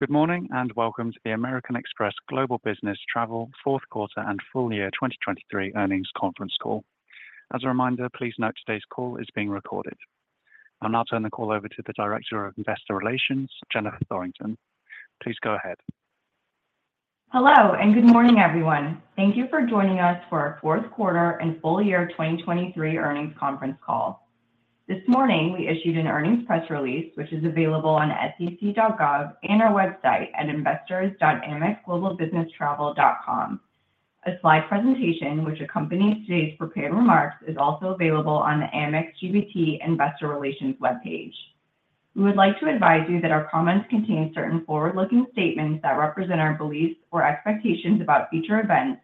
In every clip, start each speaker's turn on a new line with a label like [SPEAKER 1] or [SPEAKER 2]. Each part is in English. [SPEAKER 1] Good morning and welcome to the American Express Global Business Travel Fourth Quarter and Full Year 2023 Earnings Conference Call. As a reminder, please note today's call is being recorded. I'll now turn the call over to the Director of Investor Relations, Jennifer Thorington. Please go ahead.
[SPEAKER 2] Hello and good morning, everyone. Thank you for joining us for our Fourth Quarter and Full Year 2023 Earnings Conference Call. This morning we issued an earnings press release which is available on SEC.gov and our website at investors.amxglobalbusinesstravel.com. A slide presentation which accompanies today's prepared remarks is also available on the Amex GBT Investor Relations web page. We would like to advise you that our comments contain certain forward-looking statements that represent our beliefs or expectations about future events,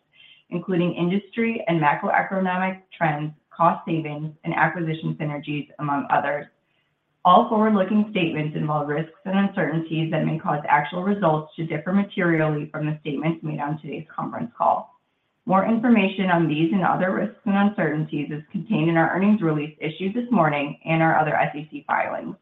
[SPEAKER 2] including industry and macroeconomic trends, cost savings, and acquisition synergies, among others. All forward-looking statements involve risks and uncertainties that may cause actual results to differ materially from the statements made on today's conference call. More information on these and other risks and uncertainties is contained in our earnings release issued this morning and our other SEC filings.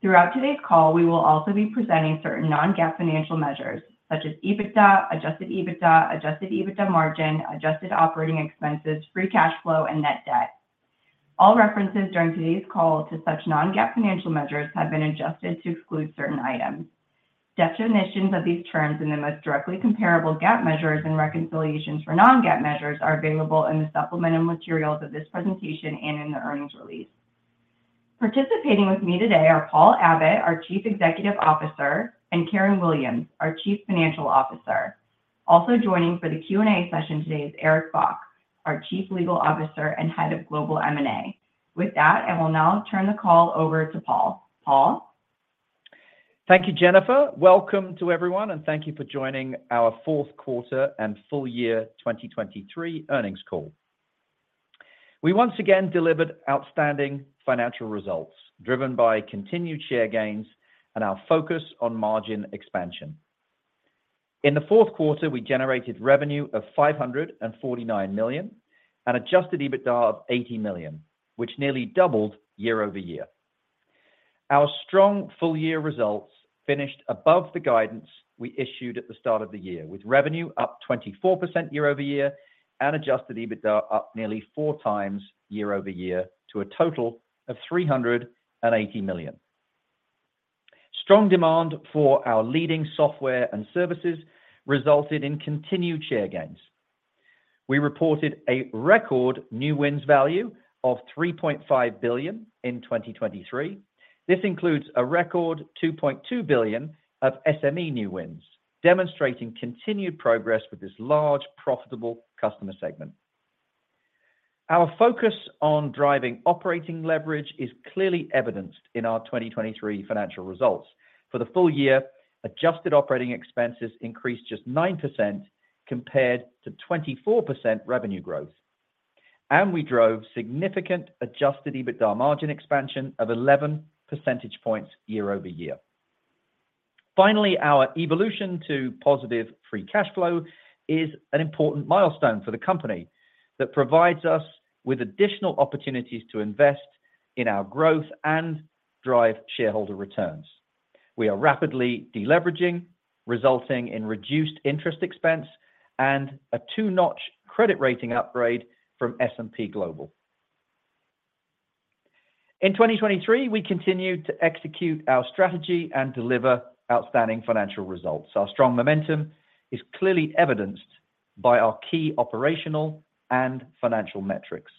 [SPEAKER 2] Throughout today's call, we will also be presenting certain non-GAAP financial measures such as EBITDA, adjusted EBITDA, adjusted EBITDA margin, adjusted operating expenses, free cash flow, and net debt. All references during today's call to such non-GAAP financial measures have been adjusted to exclude certain items. Definitions of these terms in the most directly comparable GAAP measures and reconciliations for non-GAAP measures are available in the supplemental materials of this presentation and in the earnings release. Participating with me today are Paul Abbott, our Chief Executive Officer, and Karen Williams, our Chief Financial Officer. Also joining for the Q&A session today is Eric Bock, our Chief Legal Officer and Head of Global M&A. With that, I will now turn the call over to Paul. Paul?
[SPEAKER 3] Thank you, Jennifer. Welcome to everyone, and thank you for joining our Fourth Quarter and Full Year 2023 Earnings Call. We once again delivered outstanding financial results driven by continued share gains and our focus on margin expansion. In the Fourth Quarter, we generated revenue of $549 million and Adjusted EBITDA of $80 million, which nearly doubled year-over-year. Our strong full year results finished above the guidance we issued at the start of the year, with revenue up 24% year-over-year and Adjusted EBITDA up nearly 4 times year-over-year to a total of $380 million. Strong demand for our leading software and services resulted in continued share gains. We reported a record new wins value of $3.5 billion in 2023. This includes a record $2.2 billion of SME new wins, demonstrating continued progress with this large, profitable customer segment. Our focus on driving operating leverage is clearly evidenced in our 2023 financial results. For the full year, adjusted operating expenses increased just 9% compared to 24% revenue growth. We drove significant Adjusted EBITDA margin expansion of 11 percentage points year-over-year. Finally, our evolution to positive Free Cash Flow is an important milestone for the company that provides us with additional opportunities to invest in our growth and drive shareholder returns. We are rapidly deleveraging, resulting in reduced interest expense and a 2-notch credit rating upgrade from S&P Global. In 2023, we continued to execute our strategy and deliver outstanding financial results. Our strong momentum is clearly evidenced by our key operational and financial metrics.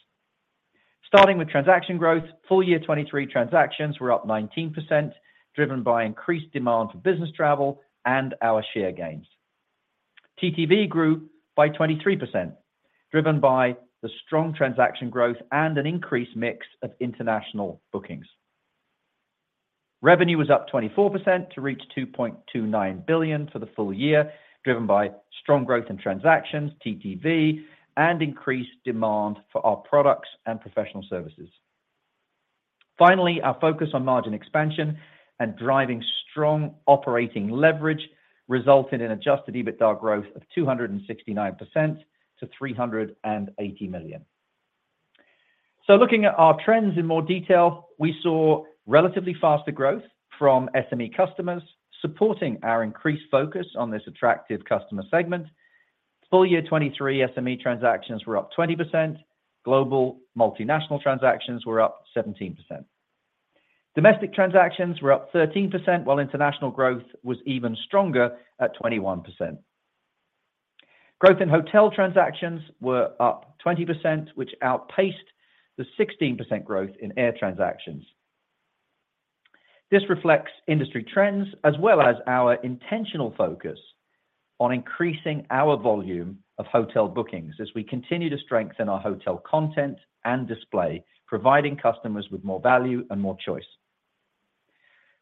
[SPEAKER 3] Starting with transaction growth, full year 2023 transactions were up 19%, driven by increased demand for business travel and our share gains. TTV grew by 23%, driven by the strong transaction growth and an increased mix of international bookings. Revenue was up 24% to reach $2.29 billion for the full year, driven by strong growth in transactions, TTV, and increased demand for our products and professional services. Finally, our focus on margin expansion and driving strong operating leverage resulted in adjusted EBITDA growth of 269% to $380 million. So looking at our trends in more detail, we saw relatively faster growth from SME customers supporting our increased focus on this attractive customer segment. Full year 2023 SME transactions were up 20%. Global multinational transactions were up 17%. Domestic transactions were up 13%, while international growth was even stronger at 21%. Growth in hotel transactions were up 20%, which outpaced the 16% growth in air transactions. This reflects industry trends as well as our intentional focus on increasing our volume of hotel bookings as we continue to strengthen our hotel content and display, providing customers with more value and more choice.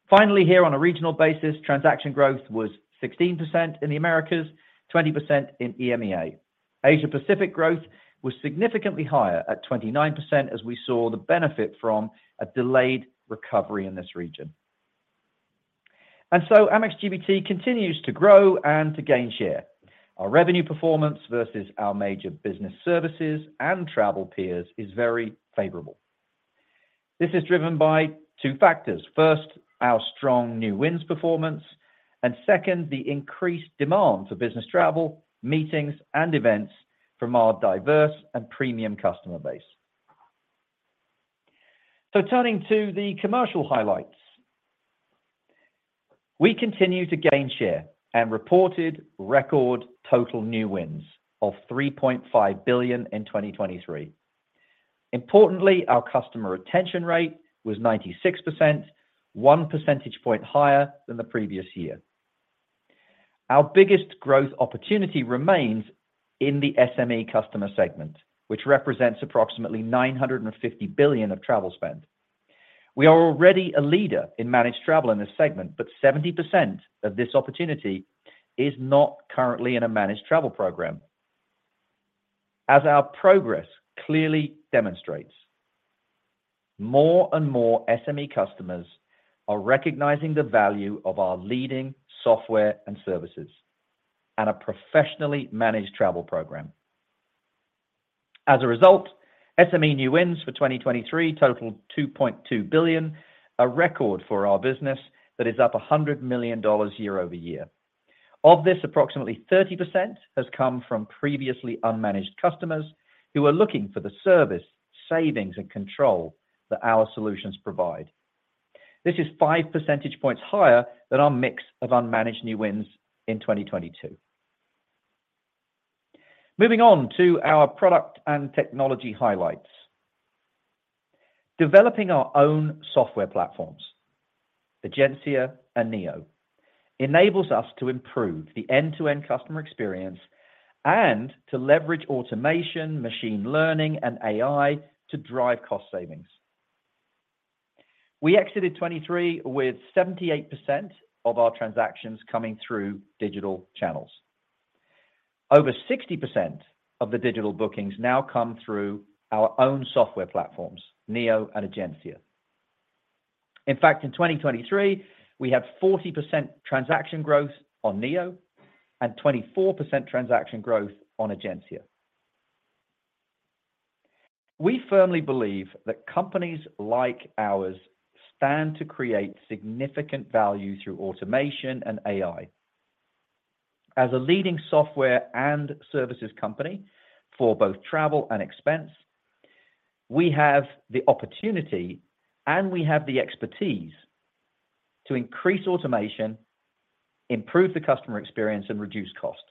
[SPEAKER 3] Finally, here on a regional basis, transaction growth was 16% in the Americas, 20% in EMEA. Asia Pacific growth was significantly higher at 29%, as we saw the benefit from a delayed recovery in this region. And so Amex GBT continues to grow and to gain share. Our revenue performance versus our major business services and travel peers is very favorable. This is driven by two factors. First, our strong new wins performance. And second, the increased demand for business travel, meetings, and events from our diverse and premium customer base. So turning to the commercial highlights. We continue to gain share and reported record total new wins of $3.5 billion in 2023. Importantly, our customer retention rate was 96%, one percentage point higher than the previous year. Our biggest growth opportunity remains in the SME customer segment, which represents approximately $950 billion of travel spend. We are already a leader in managed travel in this segment, but 70% of this opportunity is not currently in a managed travel program. As our progress clearly demonstrates. More and more SME customers are recognizing the value of our leading software and services and a professionally managed travel program. As a result, SME new wins for 2023 totaled $2.2 billion, a record for our business that is up $100 million year-over-year. Of this, approximately 30% has come from previously unmanaged customers who are looking for the service, savings, and control that our solutions provide. This is five percentage points higher than our mix of unmanaged new wins in 2022. Moving on to our product and technology highlights. Developing our own software platforms, Egencia and Neo, enables us to improve the end-to-end customer experience and to leverage automation, machine learning, and AI to drive cost savings. We exited 2023 with 78% of our transactions coming through digital channels. Over 60% of the digital bookings now come through our own software platforms, Neo and Egencia. In fact, in 2023, we had 40% transaction growth on Neo and 24% transaction growth on Egencia. We firmly believe that companies like ours stand to create significant value through automation and AI. As a leading software and services company for both travel and expense, we have the opportunity and we have the expertise to increase automation, improve the customer experience, and reduce cost.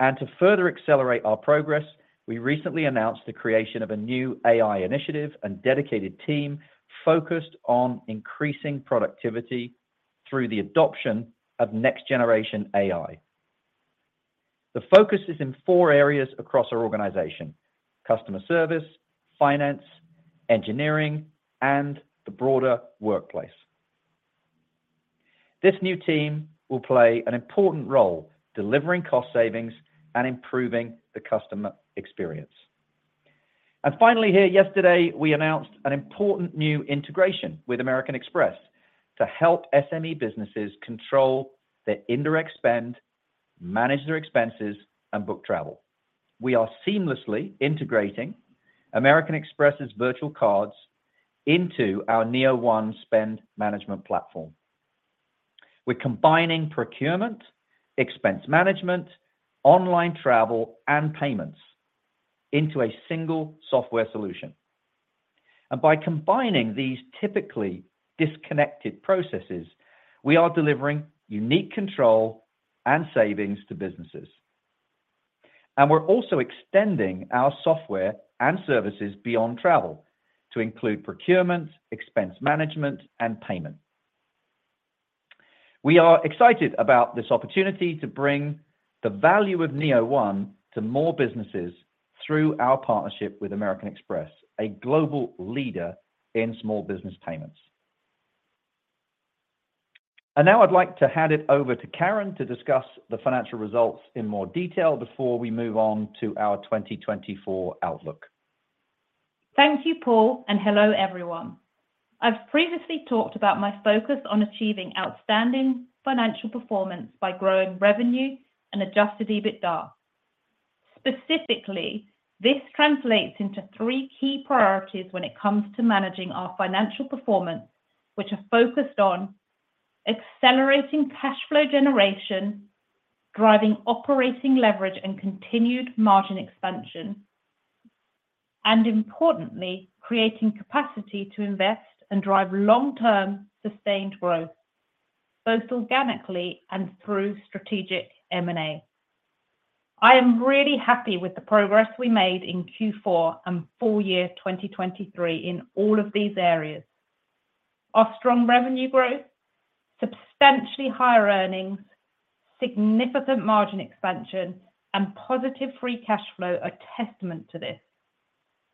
[SPEAKER 3] To further accelerate our progress, we recently announced the creation of a new AI initiative and dedicated team focused on increasing productivity through the adoption of next-generation AI. The focus is in 4 areas across our organization: customer service, finance, engineering, and the broader workplace. This new team will play an important role delivering cost savings and improving the customer experience. And finally, here yesterday, we announced an important new integration with American Express to help SME businesses control their indirect spend, manage their expenses, and book travel. We are seamlessly integrating American Express's virtual cards into our Neo1 spend management platform. We're combining procurement, expense management, online travel, and payments into a single software solution. And by combining these typically disconnected processes, we are delivering unique control and savings to businesses. We're also extending our software and services beyond travel to include procurement, expense management, and payment. We are excited about this opportunity to bring the value of Neo1 to more businesses through our partnership with American Express, a global leader in small business payments. And now I'd like to hand it over to Karen to discuss the financial results in more detail before we move on to our 2024 outlook.
[SPEAKER 4] Thank you, Paul, and hello, everyone. I've previously talked about my focus on achieving outstanding financial performance by growing revenue and Adjusted EBITDA. Specifically, this translates into three key priorities when it comes to managing our financial performance, which are focused on accelerating cash flow generation, driving operating leverage and continued margin expansion. Importantly, creating capacity to invest and drive long-term sustained growth, both organically and through strategic M&A. I am really happy with the progress we made in Q4 and full year 2023 in all of these areas. Our strong revenue growth, substantially higher earnings, significant margin expansion, and positive free cash flow are testament to this,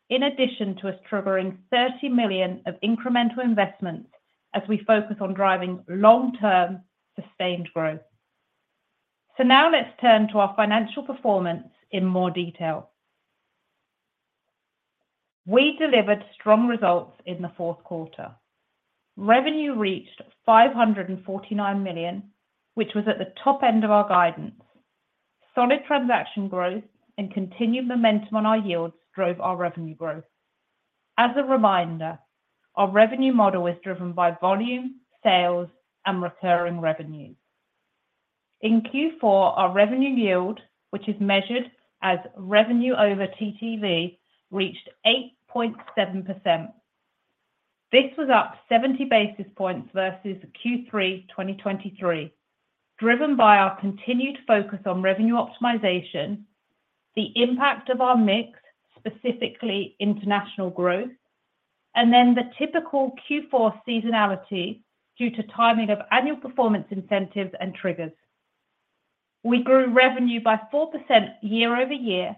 [SPEAKER 4] in addition to us triggering $30 million of incremental investments as we focus on driving long-term sustained growth. Now let's turn to our financial performance in more detail. We delivered strong results in the fourth quarter. Revenue reached $549 million, which was at the top end of our guidance. Solid transaction growth and continued momentum on our yields drove our revenue growth. As a reminder, our revenue model is driven by volume, sales, and recurring revenue. In Q4, our revenue yield, which is measured as revenue over TTV, reached 8.7%. This was up 70 basis points versus Q3 2023, driven by our continued focus on revenue optimization, the impact of our mix, specifically international growth, and then the typical Q4 seasonality due to timing of annual performance incentives and triggers. We grew revenue by 4% year-over-year,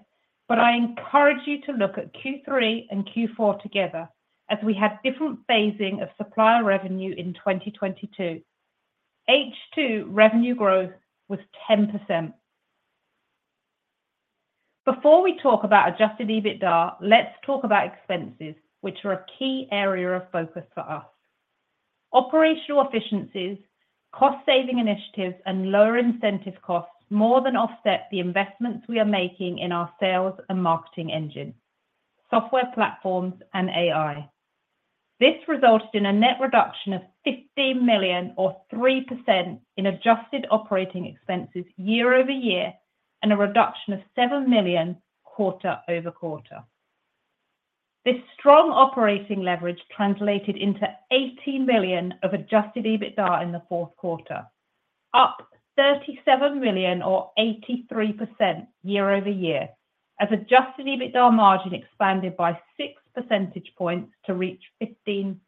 [SPEAKER 4] but I encourage you to look at Q3 and Q4 together as we had different phasing of supplier revenue in 2022. H2 revenue growth was 10%. Before we talk about adjusted EBITDA, let's talk about expenses, which are a key area of focus for us. Operational efficiencies, cost saving initiatives, and lower incentive costs more than offset the investments we are making in our sales and marketing engine, software platforms, and AI. This resulted in a net reduction of $15 million, or 3%, in adjusted operating expenses year-over-year and a reduction of $7 million quarter-over-quarter. This strong operating leverage translated into $80 million of Adjusted EBITDA in the Fourth Quarter, up $37 million, or 83%, year-over-year as Adjusted EBITDA margin expanded by 6 percentage points to reach 15%.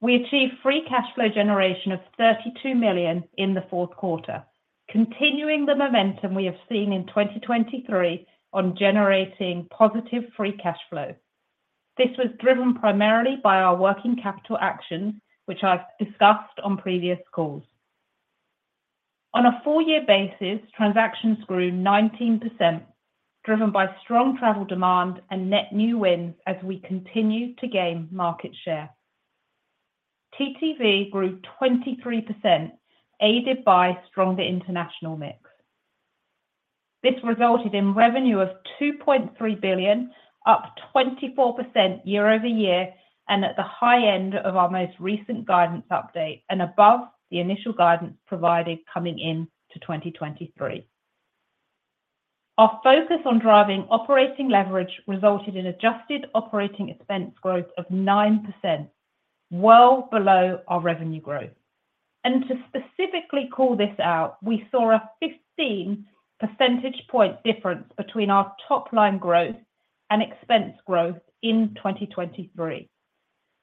[SPEAKER 4] We achieved Free Cash Flow generation of $32 million in the Fourth Quarter, continuing the momentum we have seen in 2023 on generating positive Free Cash Flow. This was driven primarily by our working capital actions, which I've discussed on previous calls. On a full year basis, transactions grew 19%, driven by strong travel demand and net new wins as we continue to gain market share. TTV grew 23%, aided by stronger international mix. This resulted in revenue of $2.3 billion, up 24% year-over-year and at the high end of our most recent guidance update and above the initial guidance provided coming into 2023. Our focus on driving operating leverage resulted in adjusted operating expense growth of 9%, well below our revenue growth. And to specifically call this out, we saw a 15 percentage point difference between our top line growth and expense growth in 2023.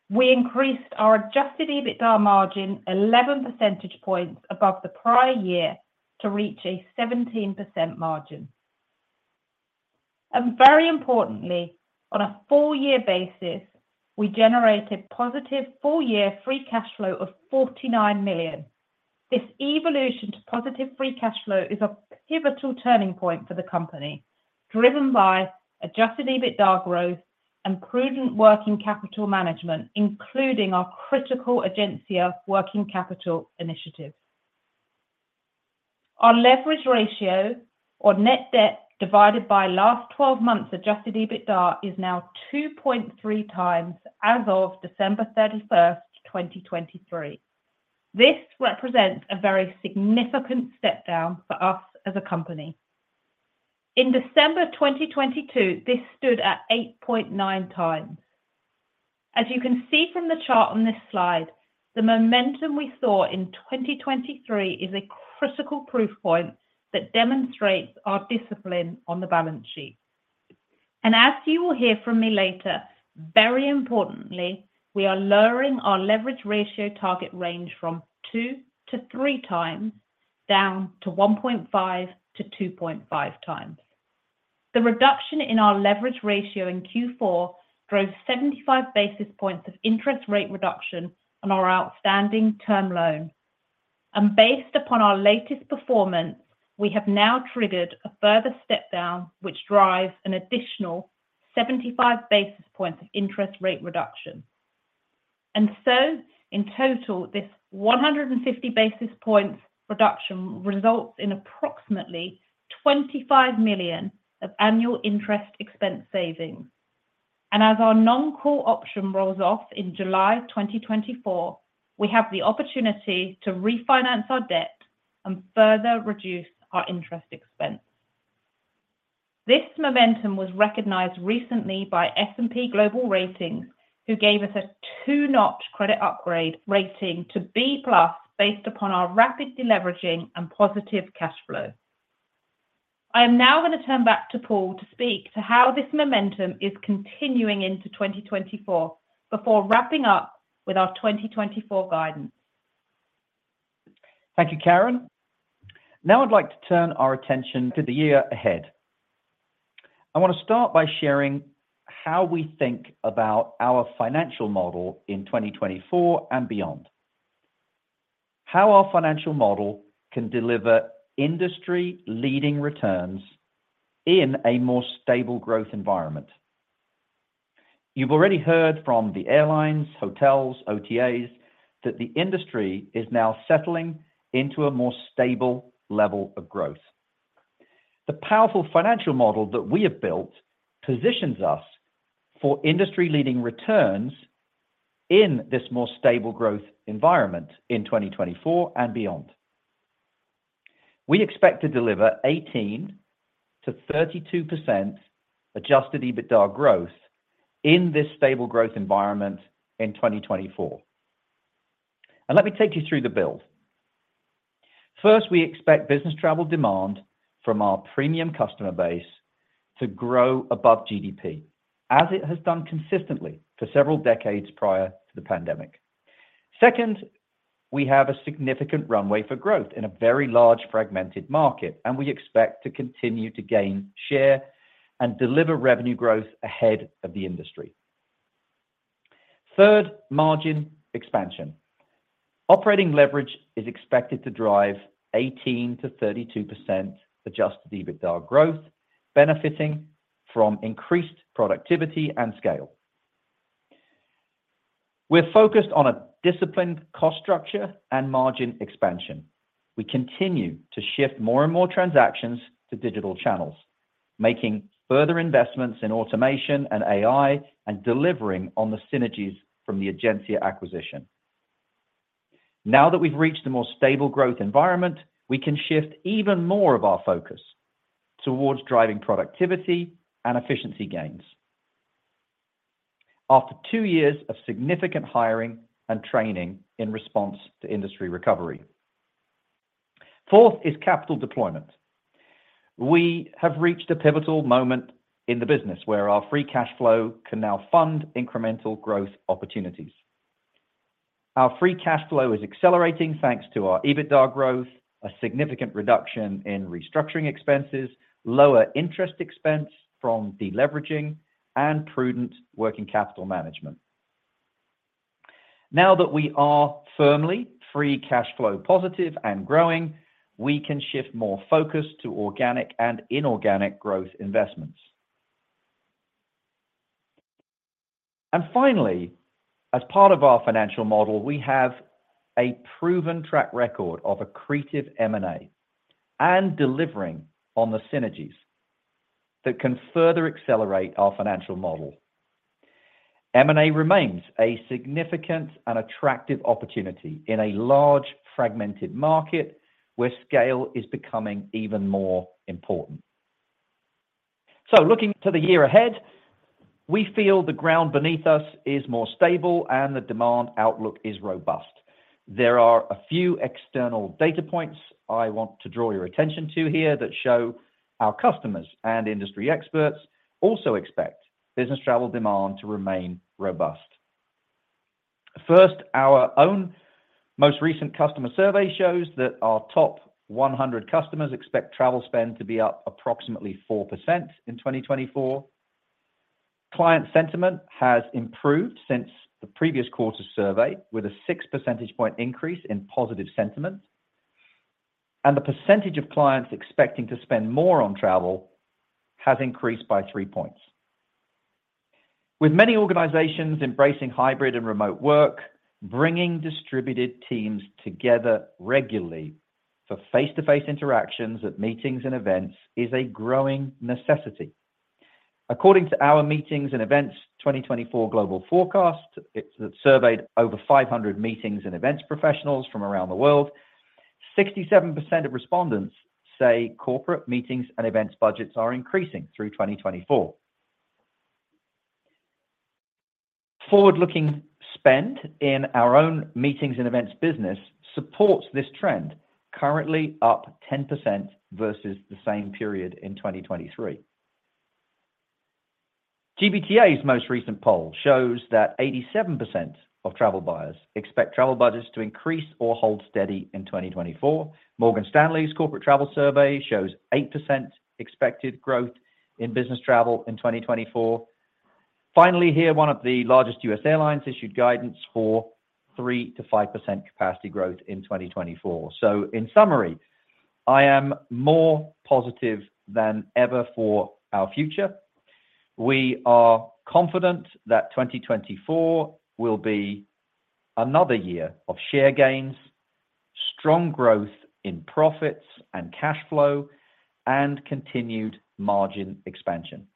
[SPEAKER 4] We increased our Adjusted EBITDA margin 11 percentage points above the prior year to reach a 17% margin. And very importantly, on a full year basis, we generated positive full year free cash flow of $49 million. This evolution to positive free cash flow is a pivotal turning point for the company, driven by Adjusted EBITDA growth and prudent working capital management, including our critical Egencia working capital initiatives. Our leverage ratio, or net debt divided by last 12 months' Adjusted EBITDA, is now 2.3 times as of December 31st, 2023. This represents a very significant step down for us as a company. In December 2022, this stood at 8.9 times. As you can see from the chart on this slide, the momentum we saw in 2023 is a critical proof point that demonstrates our discipline on the balance sheet. And as you will hear from me later, very importantly, we are lowering our leverage ratio target range from 2-3 times down to 1.5-2.5 times. The reduction in our leverage ratio in Q4 drove 75 basis points of interest rate reduction on our outstanding term loan. Based upon our latest performance, we have now triggered a further step down, which drives an additional 75 basis points of interest rate reduction. So in total, this 150 basis points reduction results in approximately $25 million of annual interest expense savings. As our non-call option rolls off in July 2024, we have the opportunity to refinance our debt and further reduce our interest expense. This momentum was recognized recently by S&P Global Ratings, who gave us a 2-notch credit upgrade rating to B+ based upon our rapid deleveraging and positive cash flow. I am now going to turn back to Paul to speak to how this momentum is continuing into 2024 before wrapping up with our 2024 guidance.
[SPEAKER 3] Thank you, Karen. Now I'd like to turn our attention to the year ahead. I want to start by sharing how we think about our financial model in 2024 and beyond. How our financial model can deliver industry-leading returns in a more stable growth environment. You've already heard from the airlines, hotels, OTAs that the industry is now settling into a more stable level of growth. The powerful financial model that we have built positions us for industry-leading returns in this more stable growth environment in 2024 and beyond. We expect to deliver 18%-32% Adjusted EBITDA growth in this stable growth environment in 2024. And let me take you through the build. First, we expect business travel demand from our premium customer base to grow above GDP, as it has done consistently for several decades prior to the pandemic. Second, we have a significant runway for growth in a very large fragmented market, and we expect to continue to gain share and deliver revenue growth ahead of the industry. Third, margin expansion. Operating leverage is expected to drive 18%-32% Adjusted EBITDA growth, benefiting from increased productivity and scale. We're focused on a disciplined cost structure and margin expansion. We continue to shift more and more transactions to digital channels, making further investments in automation and AI and delivering on the synergies from the Egencia acquisition. Now that we've reached a more stable growth environment, we can shift even more of our focus towards driving productivity and efficiency gains. After two years of significant hiring and training in response to industry recovery. Fourth is capital deployment. We have reached a pivotal moment in the business where our free cash flow can now fund incremental growth opportunities. Our free cash flow is accelerating thanks to our EBITDA growth, a significant reduction in restructuring expenses, lower interest expense from deleveraging, and prudent working capital management. Now that we are firmly free cash flow positive and growing, we can shift more focus to organic and inorganic growth investments. Finally, as part of our financial model, we have a proven track record of a creative M&A and delivering on the synergies that can further accelerate our financial model. M&A remains a significant and attractive opportunity in a large fragmented market where scale is becoming even more important. Looking to the year ahead, we feel the ground beneath us is more stable and the demand outlook is robust. There are a few external data points I want to draw your attention to here that show our customers and industry experts also expect business travel demand to remain robust. First, our own most recent customer survey shows that our top 100 customers expect travel spend to be up approximately 4% in 2024. Client sentiment has improved since the previous quarter's survey, with a 6 percentage point increase in positive sentiment. The percentage of clients expecting to spend more on travel has increased by 3 points. With many organizations embracing hybrid and remote work, bringing distributed teams together regularly for face-to-face interactions at meetings and events is a growing necessity. According to our Meetings and Events 2024 Global Forecast, that surveyed over 500 meetings and events professionals from around the world, 67% of respondents say corporate meetings and events budgets are increasing through 2024. Forward-looking spend in our own Meetings and Events business supports this trend, currently up 10% versus the same period in 2023. GBTA's most recent poll shows that 87% of travel buyers expect travel budgets to increase or hold steady in 2024. Morgan Stanley's corporate travel survey shows 8% expected growth in business travel in 2024. Finally, here, one of the largest U.S. airlines issued guidance for 3%-5% capacity growth in 2024. So in summary, I am more positive than ever for our future. We are confident that 2024 will be another year of share gains, strong growth in profits and cash flow, and continued margin expansion.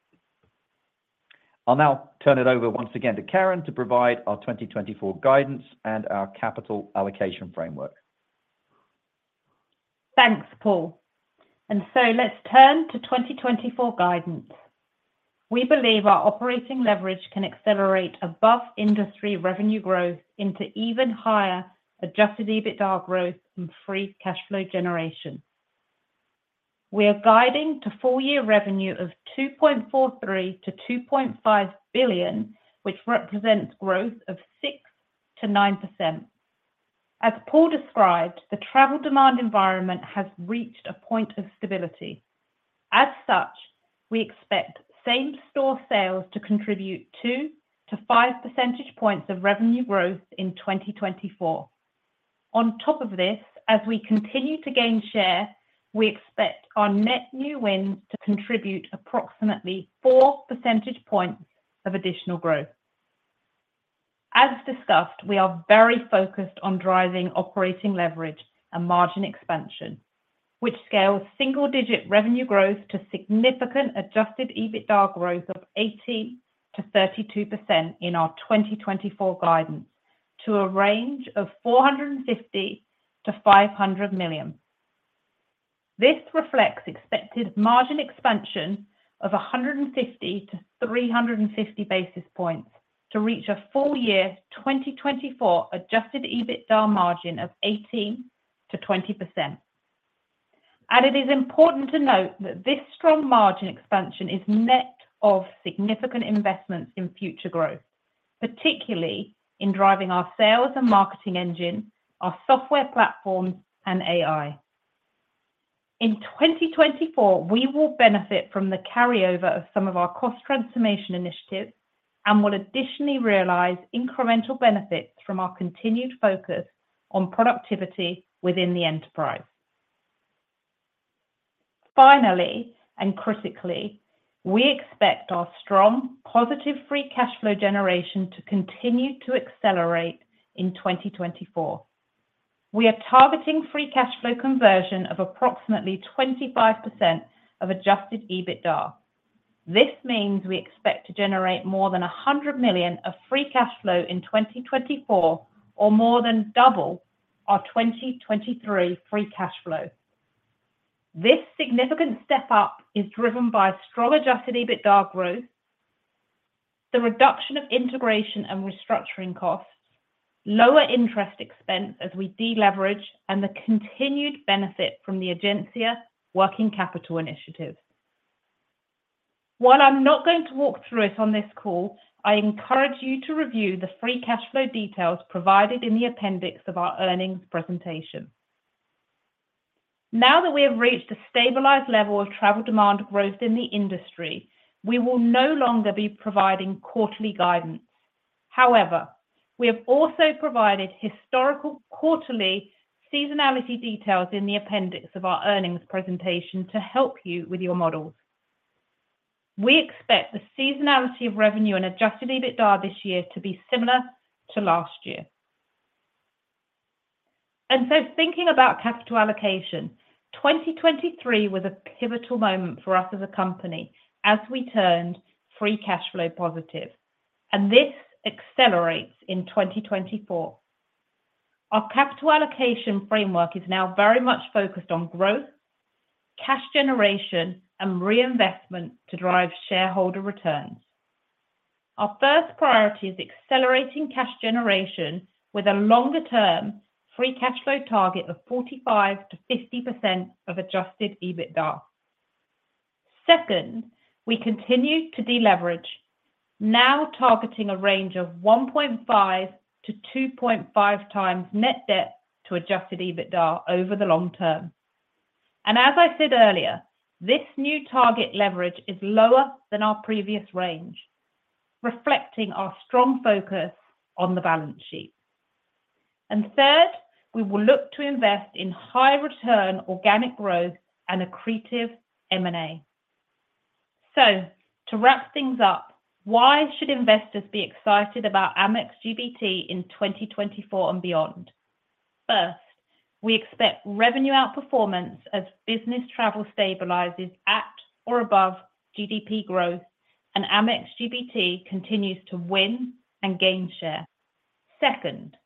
[SPEAKER 3] I'll now turn it over once again to Karen to provide our 2024 guidance and our capital allocation framework.
[SPEAKER 4] Thanks, Paul. So let's turn to 2024 guidance. We believe our operating leverage can accelerate above industry revenue growth into even higher Adjusted EBITDA growth and Free Cash Flow generation. We are guiding to full-year revenue of $2.43-$2.5 billion, which represents growth of 6%-9%. As Paul described, the travel demand environment has reached a point of stability. As such, we expect same-store sales to contribute 2 to 5 percentage points of revenue growth in 2024. On top of this, as we continue to gain share, we expect our net new wins to contribute approximately 4 percentage points of additional growth. As discussed, we are very focused on driving operating leverage and margin expansion, which scales single-digit revenue growth to significant Adjusted EBITDA growth of 18%-32% in our 2024 guidance to a range of $450-$500 million. This reflects expected margin expansion of 150-350 basis points to reach a full year 2024 adjusted EBITDA margin of 18%-20%. It is important to note that this strong margin expansion is net of significant investments in future growth, particularly in driving our sales and marketing engine, our software platforms, and AI. In 2024, we will benefit from the carryover of some of our cost transformation initiatives and will additionally realize incremental benefits from our continued focus on productivity within the enterprise. Finally and critically, we expect our strong positive free cash flow generation to continue to accelerate in 2024. We are targeting free cash flow conversion of approximately 25% of adjusted EBITDA. This means we expect to generate more than $100 million of free cash flow in 2024 or more than double our 2023 free cash flow. This significant step up is driven by strong Adjusted EBITDA growth, the reduction of integration and restructuring costs, lower interest expense as we deleverage, and the continued benefit from the Egencia working capital initiatives. While I'm not going to walk through it on this call, I encourage you to review the Free Cash Flow details provided in the appendix of our earnings presentation. Now that we have reached a stabilized level of travel demand growth in the industry, we will no longer be providing quarterly guidance. However, we have also provided historical quarterly seasonality details in the appendix of our earnings presentation to help you with your models. We expect the seasonality of revenue and Adjusted EBITDA this year to be similar to last year. And so thinking about capital allocation, 2023 was a pivotal moment for us as a company as we turned Free Cash Flow positive. This accelerates in 2024. Our capital allocation framework is now very much focused on growth, cash generation, and reinvestment to drive shareholder returns. Our first priority is accelerating cash generation with a longer-term Free Cash Flow target of 45%-50% of Adjusted EBITDA. Second, we continue to deleverage, now targeting a range of 1.5-2.5 times net debt to Adjusted EBITDA over the long term. As I said earlier, this new target leverage is lower than our previous range, reflecting our strong focus on the balance sheet. Third, we will look to invest in high-return organic growth and creative M&A. To wrap things up, why should investors be excited about Amex GBT in 2024 and beyond? First, we expect revenue outperformance as business travel stabilizes at or above GDP growth and Amex GBT continues to win and gain share. Second,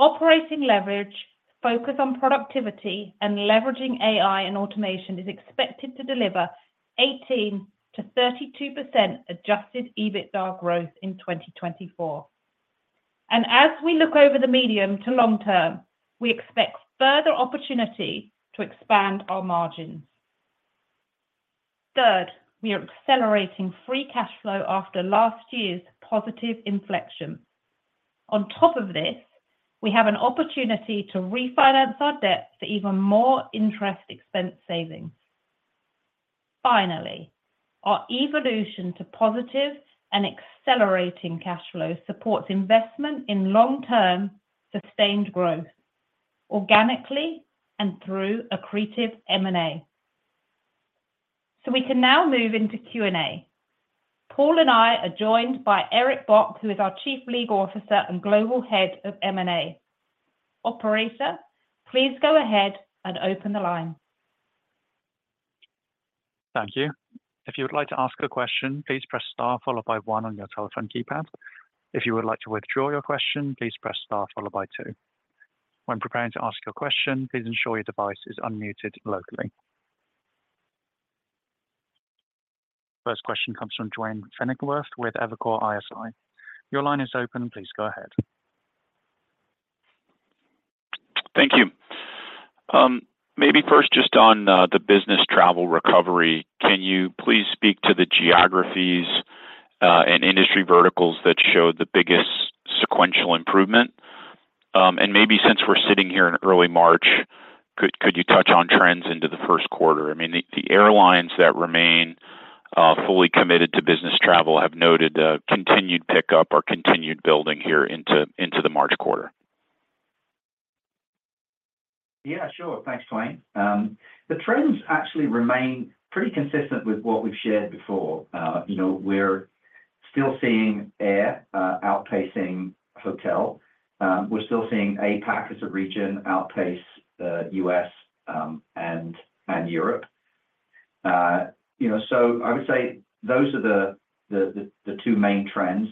[SPEAKER 4] operating leverage, focus on productivity, and leveraging AI and automation is expected to deliver 18%-32% Adjusted EBITDA growth in 2024. As we look over the medium to long term, we expect further opportunity to expand our margins. Third, we are accelerating Free Cash Flow after last year's positive inflection. On top of this, we have an opportunity to refinance our debt for even more interest expense savings. Finally, our evolution to positive and accelerating cash flow supports investment in long-term sustained growth organically and through a creative M&A. We can now move into Q&A. Paul and I are joined by Eric Bock, who is our Chief Legal Officer and Global Head of M&A. Operator, please go ahead and open the line.
[SPEAKER 1] Thank you. If you would like to ask a question, please press star followed by 1 on your telephone keypad. If you would like to withdraw your question, please press star followed by 2. When preparing to ask your question, please ensure your device is unmuted locally. First question comes from Duane Pfennigwerth with Evercore ISI. Your line is open. Please go ahead.
[SPEAKER 5] Thank you. Maybe first just on the business travel recovery, can you please speak to the geographies and industry verticals that showed the biggest sequential improvement? Maybe since we're sitting here in early March, could you touch on trends into the first quarter? I mean, the airlines that remain fully committed to business travel have noted continued pickup or continued building here into the March quarter.
[SPEAKER 3] Yeah, sure. Thanks, Duane. The trends actually remain pretty consistent with what we've shared before. We're still seeing air outpacing hotel. We're still seeing APAC as a region outpace US and Europe. So I would say those are the two main trends.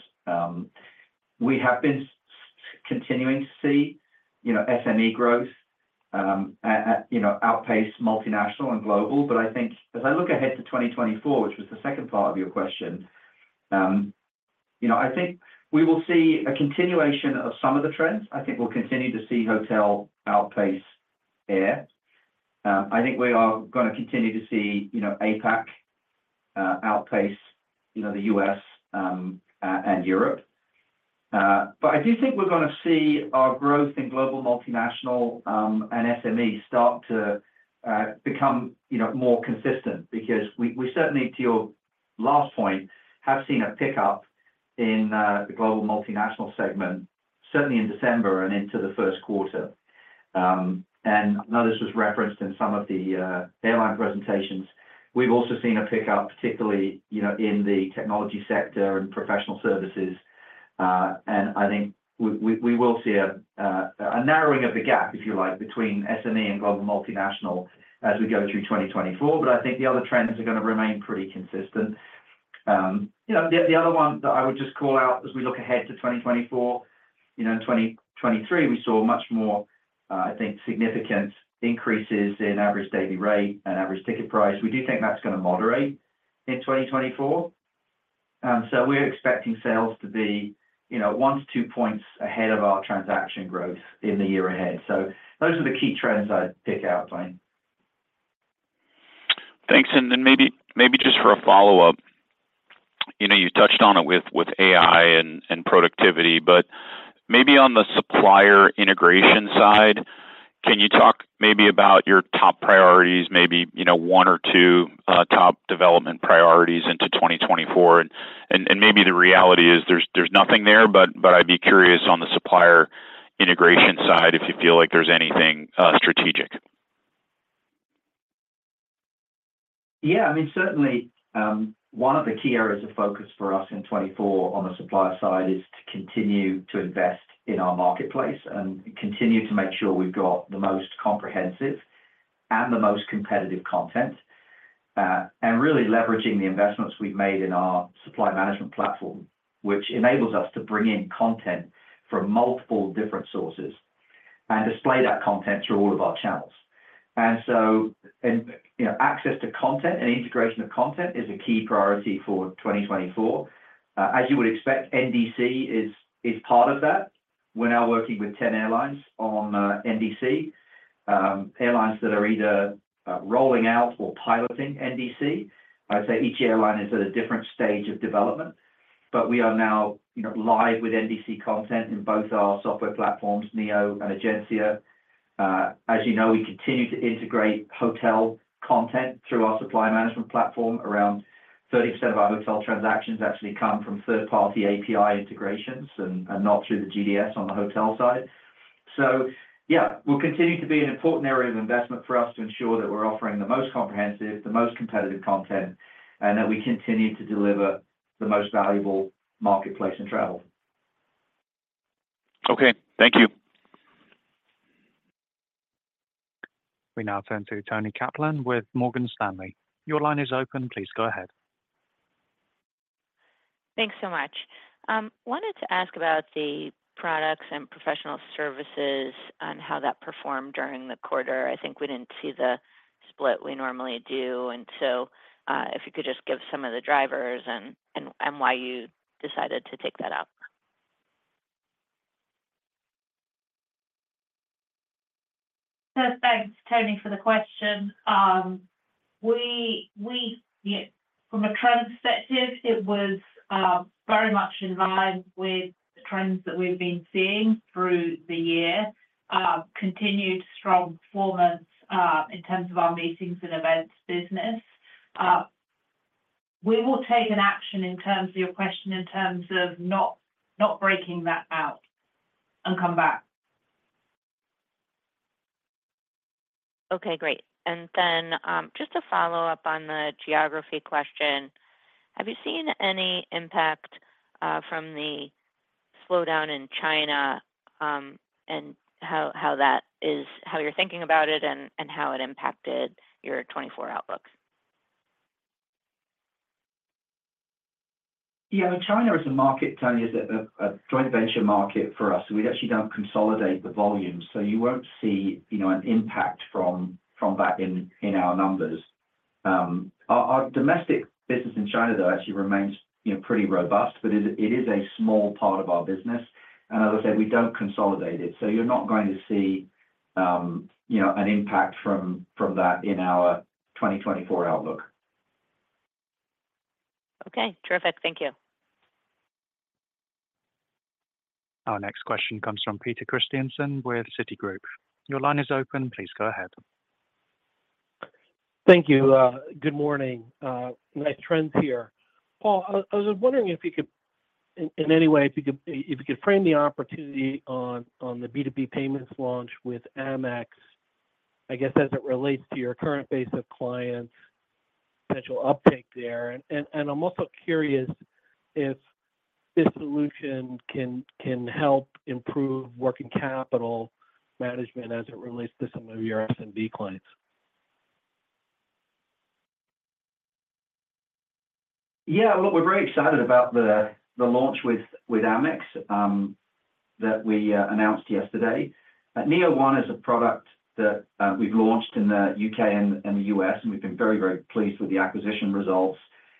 [SPEAKER 3] We have been continuing to see SME growth outpace multinational and global. But I think as I look ahead to 2024, which was the second part of your question, I think we will see a continuation of some of the trends. I think we'll continue to see hotel outpace air. I think we are going to continue to see APAC outpace the US and Europe. But I do think we're going to see our growth in global multinational and SMEs start to become more consistent because we certainly, to your last point, have seen a pickup in the global multinational segment, certainly in December and into the first quarter. And I know this was referenced in some of the airline presentations. We've also seen a pickup, particularly in the technology sector and professional services. And I think we will see a narrowing of the gap, if you like, between SME and global multinational as we go through 2024. But I think the other trends are going to remain pretty consistent. The other one that I would just call out as we look ahead to 2024, in 2023, we saw much more, I think, significant increases in average daily rate and average ticket price. We do think that's going to moderate in 2024. We're expecting sales to be 1-2 points ahead of our transaction growth in the year ahead. So those are the key trends I'd pick out, Duane.
[SPEAKER 5] Thanks. Maybe just for a follow-up, you touched on it with AI and productivity. Maybe on the supplier integration side, can you talk maybe about your top priorities, maybe one or two top development priorities into 2024? Maybe the reality is there's nothing there, but I'd be curious on the supplier integration side if you feel like there's anything strategic.
[SPEAKER 3] Yeah. I mean, certainly, one of the key areas of focus for us in 2024 on the supplier side is to continue to invest in our marketplace and continue to make sure we've got the most comprehensive and the most competitive content and really leveraging the investments we've made in our supply management platform, which enables us to bring in content from multiple different sources and display that content through all of our channels. And so access to content and integration of content is a key priority for 2024. As you would expect, NDC is part of that. We're now working with 10 airlines on NDC, airlines that are either rolling out or piloting NDC. I'd say each airline is at a different stage of development. But we are now live with NDC content in both our software platforms, Neo and Egencia. As you know, we continue to integrate hotel content through our supply management platform. Around 30% of our hotel transactions actually come from third-party API integrations and not through the GDS on the hotel side. So yeah, we'll continue to be an important area of investment for us to ensure that we're offering the most comprehensive, the most competitive content, and that we continue to deliver the most valuable marketplace and travel.
[SPEAKER 5] Okay. Thank you.
[SPEAKER 1] We now turn to Toni Kaplan with Morgan Stanley. Your line is open. Please go ahead.
[SPEAKER 6] Thanks so much. Wanted to ask about the products and professional services and how that performed during the quarter. I think we didn't see the split we normally do. So if you could just give some of the drivers and why you decided to take that up.
[SPEAKER 4] Perfect, Toni, for the question. From a trend perspective, it was very much in line with the trends that we've been seeing through the year, continued strong performance in terms of our meetings and events business. We will take an action in terms of your question in terms of not breaking that out and come back.
[SPEAKER 6] Okay. Great. Just to follow up on the geography question, have you seen any impact from the slowdown in China and how you're thinking about it and how it impacted your 2024 outlook?
[SPEAKER 3] Yeah. China is a market, Tony, is it? A joint venture market for us. So we've actually done consolidate the volumes. So you won't see an impact from that in our numbers. Our domestic business in China, though, actually remains pretty robust, but it is a small part of our business. And as I said, we don't consolidate it. So you're not going to see an impact from that in our 2024 outlook.
[SPEAKER 6] Okay. Terrific. Thank you.
[SPEAKER 1] Our next question comes from Peter Christiansen with Citigroup. Your line is open. Please go ahead.
[SPEAKER 7] Thank you. Good morning. Nice trends here. Paul, I was wondering if you could, in any way, if you could frame the opportunity on the B2B payments launch with Amex, I guess, as it relates to your current base of clients, potential uptake there. And I'm also curious if this solution can help improve working capital management as it relates to some of your SMB clients?
[SPEAKER 3] Yeah. Look, we're very excited about the launch with Amex that we announced yesterday. NEO1 is a product that we've launched in the UK and the US, and we've been very, very pleased with the acquisition results.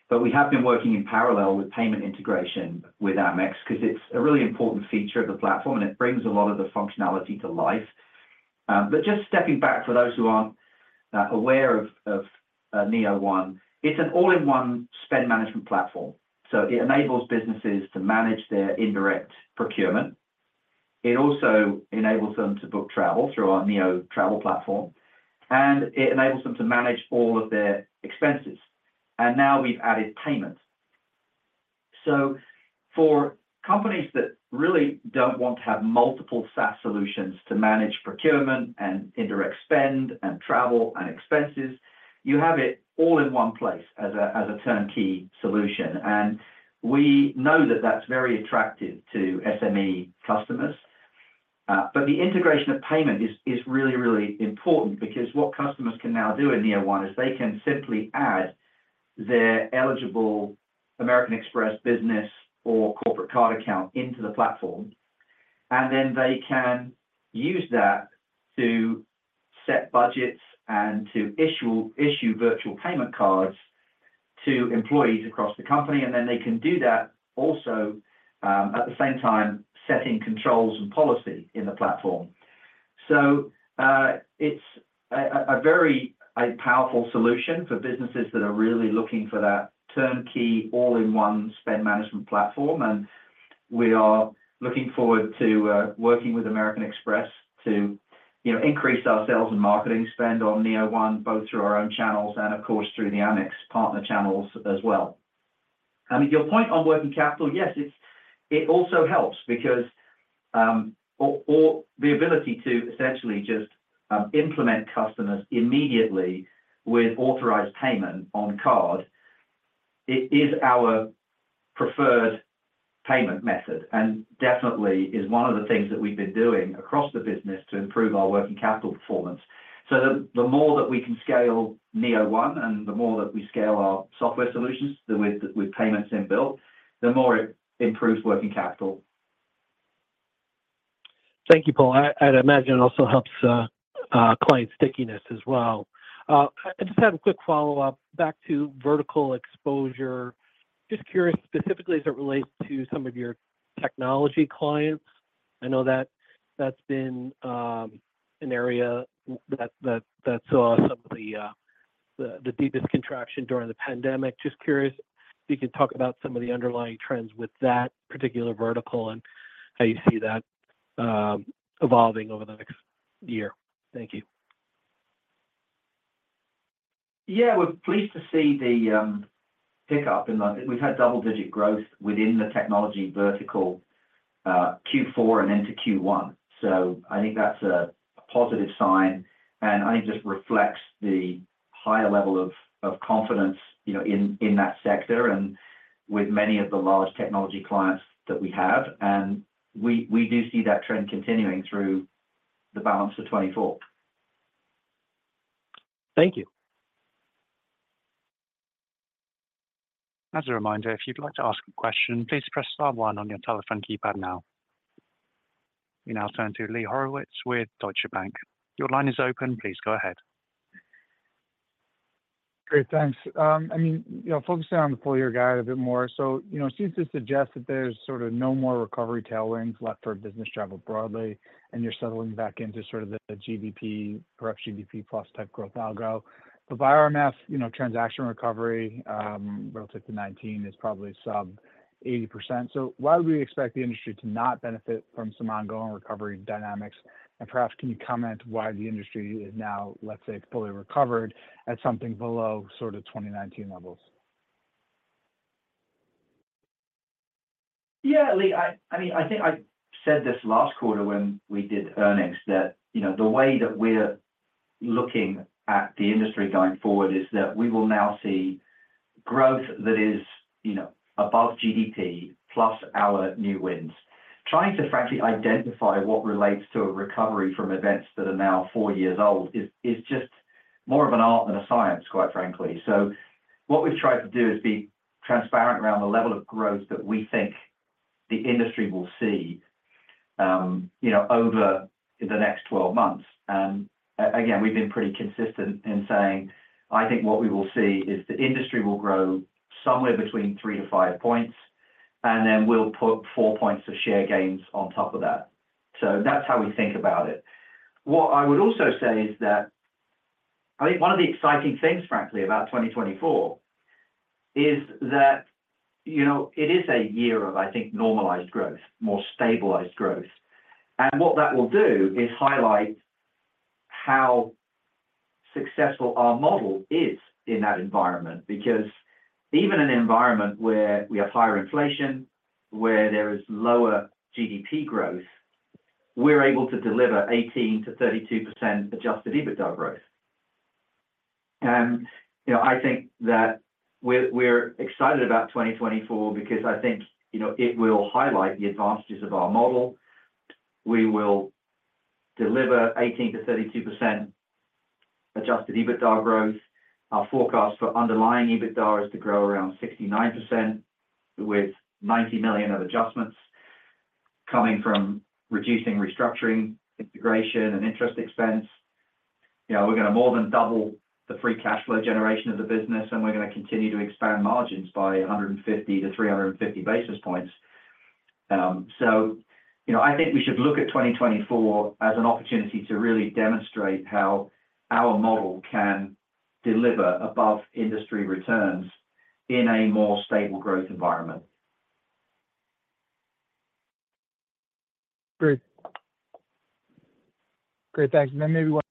[SPEAKER 3] But we have been working in parallel with payment integration with Amex because it's a really important feature of the platform, and it brings a lot of the functionality to life. But just stepping back for those who aren't aware of NEO1, it's an all-in-one spend management platform. So it enables businesses to manage their indirect procurement. It also enables them to book travel through our NEO travel platform, and it enables them to manage all of their expenses. And now we've added payment. So for companies that really don't want to have multiple SaaS solutions to manage procurement and indirect spend and travel and expenses, you have it all in one place as a turnkey solution. And we know that that's very attractive to SME customers. But the integration of payment is really, really important because what customers can now do in Neo1 is they can simply add their eligible American Express business or corporate card account into the platform. And then they can use that to set budgets and to issue virtual payment cards to employees across the company. And then they can do that also at the same time, setting controls and policy in the platform. So it's a very powerful solution for businesses that are really looking for that turnkey all-in-one spend management platform. We are looking forward to working with American Express to increase our sales and marketing spend on NEO1, both through our own channels and, of course, through the Amex partner channels as well. I mean, your point on working capital, yes, it also helps because the ability to essentially just implement customers immediately with authorized payment on card, it is our preferred payment method and definitely is one of the things that we've been doing across the business to improve our working capital performance. So the more that we can scale NEO1 and the more that we scale our software solutions with payments inbuilt, the more it improves working capital.
[SPEAKER 7] Thank you, Paul. I'd imagine it also helps client stickiness as well. I just had a quick follow-up back to vertical exposure. Just curious specifically as it relates to some of your technology clients. I know that that's been an area that saw some of the deepest contraction during the pandemic. Just curious if you can talk about some of the underlying trends with that particular vertical and how you see that evolving over the next year. Thank you.
[SPEAKER 3] Yeah. We're pleased to see the pickup in that we've had double-digit growth within the technology vertical Q4 and into Q1. So I think that's a positive sign. And I think it just reflects the higher level of confidence in that sector and with many of the large technology clients that we have. And we do see that trend continuing through the balance of 2024.
[SPEAKER 7] Thank you.
[SPEAKER 1] As a reminder, if you'd like to ask a question, please press star 1 on your telephone keypad now. We now turn to Lee Horowitz with Deutsche Bank. Your line is open. Please go ahead.
[SPEAKER 8] Great. Thanks. I mean, focusing on the full-year guide a bit more. So since this suggests that there's sort of no more recovery tailwinds left for business travel broadly and you're settling back into sort of the pre-COVID GDP-plus type growth algo, the BIRMF transaction recovery relative to 2019 is probably sub-80%. So why would we expect the industry to not benefit from some ongoing recovery dynamics? And perhaps can you comment why the industry is now, let's say, fully recovered at something below sort of 2019 levels?
[SPEAKER 3] Yeah, Lee. I mean, I think I said this last quarter when we did earnings that the way that we're looking at the industry going forward is that we will now see growth that is above GDP plus our new wins. Trying to, frankly, identify what relates to a recovery from events that are now 4 years old is just more of an art than a science, quite frankly. So what we've tried to do is be transparent around the level of growth that we think the industry will see over the next 12 months. And again, we've been pretty consistent in saying, "I think what we will see is the industry will grow somewhere between 3-5 points, and then we'll put 4 points of share gains on top of that." So that's how we think about it. What I would also say is that I think one of the exciting things, frankly, about 2024 is that it is a year of, I think, normalized growth, more stabilized growth. And what that will do is highlight how successful our model is in that environment because even an environment where we have higher inflation, where there is lower GDP growth, we're able to deliver 18%-32% adjusted EBITDA growth. And I think that we're excited about 2024 because I think it will highlight the advantages of our model. We will deliver 18%-32% adjusted EBITDA growth. Our forecast for underlying EBITDA is to grow around 69% with $90 million of adjustments coming from reducing restructuring, integration, and interest expense. We're going to more than double the Free Cash Flow generation of the business, and we're going to continue to expand margins by 150-350 basis points. So I think we should look at 2024 as an opportunity to really demonstrate how our model can deliver above-industry returns in a more stable growth environment.
[SPEAKER 8] Great. Great. Thanks. And then maybe one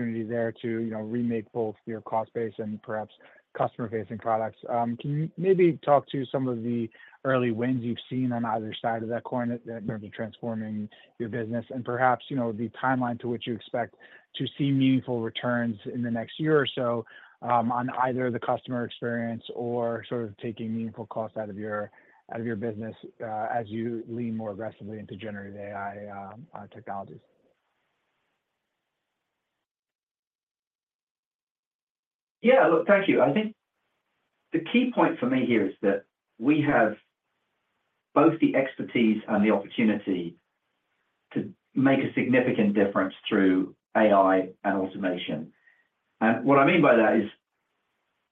[SPEAKER 8] opportunity there to remake both your cost-based and perhaps customer-facing products. Can you maybe talk to some of the early wins you've seen on either side of that coin in terms of transforming your business and perhaps the timeline to which you expect to see meaningful returns in the next year or so on either the customer experience or sort of taking meaningful costs out of your business as you lean more aggressively into generative AI technologies?
[SPEAKER 3] Yeah. Look, thank you. I think the key point for me here is that we have both the expertise and the opportunity to make a significant difference through AI and automation. What I mean by that is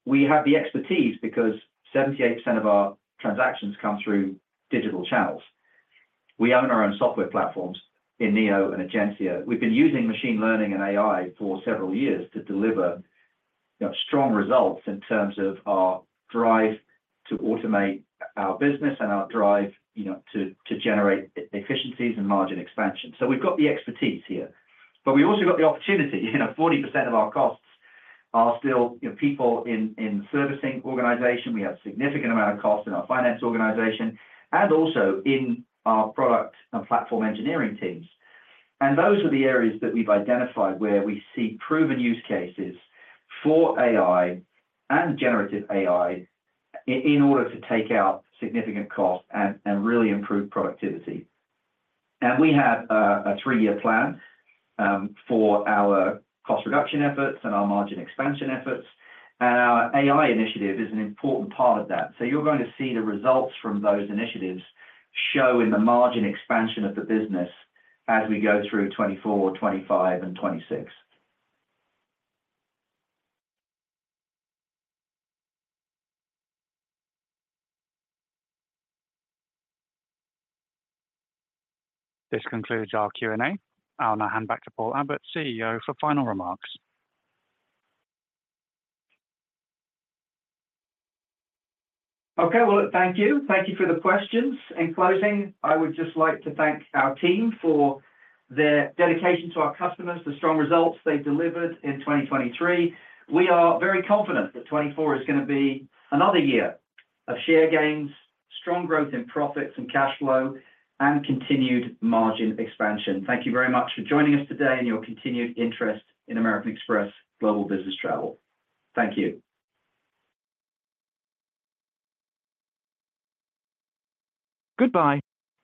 [SPEAKER 3] we have the expertise because 78% of our transactions come through digital channels. We own our own software platforms in NEO and Egencia. We've been using machine learning and AI for several years to deliver strong results in terms of our drive to automate our business and our drive to generate efficiencies and margin expansion. So we've got the expertise here. But we've also got the opportunity. 40% of our costs are still people in the servicing organization. We have a significant amount of costs in our finance organization and also in our product and platform engineering teams. Those are the areas that we've identified where we see proven use cases for AI and generative AI in order to take out significant cost and really improve productivity. We have a three-year plan for our cost reduction efforts and our margin expansion efforts. Our AI initiative is an important part of that. You're going to see the results from those initiatives show in the margin expansion of the business as we go through 2024, 2025, and 2026.
[SPEAKER 1] This concludes our Q&A. I'll now hand back to Paul Abbott, CEO, for final remarks.
[SPEAKER 3] Okay. Well, thank you. Thank you for the questions. In closing, I would just like to thank our team for their dedication to our customers, the strong results they've delivered in 2023. We are very confident that 2024 is going to be another year of share gains, strong growth in profits and cash flow, and continued margin expansion. Thank you very much for joining us today and your continued interest in American Express Global Business Travel. Thank you.
[SPEAKER 1] Goodbye.